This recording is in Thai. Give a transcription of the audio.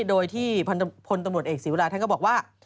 โดยที่พลตำรวจเอกศีวราท่านก็บอกว่า